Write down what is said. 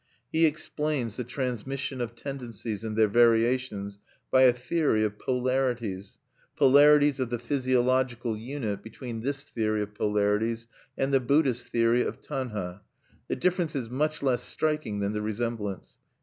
He explains the transmission of tendencies, and their variations, by a theory of polarities, polarities of the physiological unit between this theory of polarities and the Buddhist theory of tanha, the difference is much less striking than the resemblance.